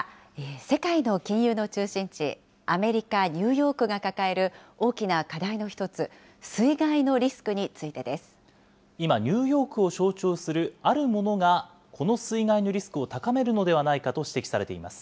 世界の金融の中心地、アメリカ・ニューヨークが抱える大きな課題の一つ、今、ニューヨークを象徴するあるものがこの水害のリスクを高めるのではないかと指摘されています。